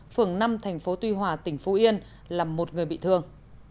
phường năm thành phố tuy hòa tỉnh phú yên là một người bị thương